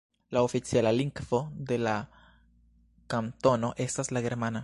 La oficiala lingvo de la kantono estas la germana.